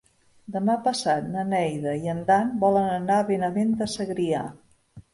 Demà passat na Neida i en Dan volen anar a Benavent de Segrià.